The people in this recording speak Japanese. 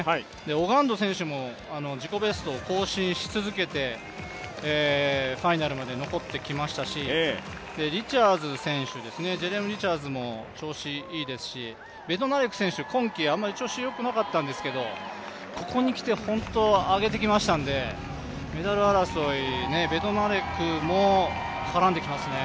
オガンド選手も自己ベストを更新し続けてファイナルまで残ってきましたし、リチャーズも調子いいですし、ベドナレク選手、今季、あまり調子よくなかったんですけどここにきて本当、上げてきましたんで、メダル争い、ベドナレクも絡んできますね。